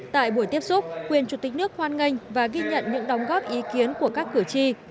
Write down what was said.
tại buổi tiếp xúc quyền chủ tịch nước hoan nghênh và ghi nhận những đóng góp ý kiến của các cử tri